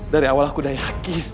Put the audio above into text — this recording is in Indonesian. dari awal aku udah yakin